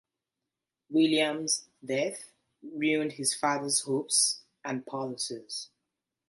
William's death ruined his father's hopes and policies.